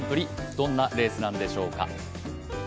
どんなレースなんでしょうか。